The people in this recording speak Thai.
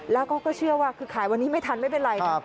แล้วก็เชื่อว่าคือขายวันนี้ไม่ทันไม่เป็นไร